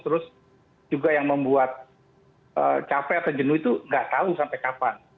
terus juga yang membuat capek atau jenuh itu nggak tahu sampai kapan